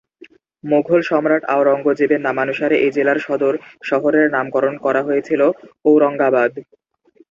মুঘল সম্রাট আওরঙ্গজেবের নামানুসারে এই জেলার সদর শহরের নামকরণ করা হয়েছিল ঔরঙ্গাবাদ।